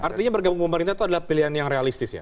artinya bergabung pemerintah itu adalah pilihan yang realistis ya